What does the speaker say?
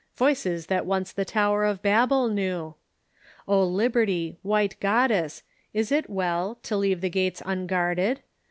Voices that once the Tower of Babel knew ! O Liberty, white Goddess ! is it well To leave the gates unguarded